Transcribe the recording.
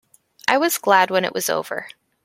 I was glad when it was over.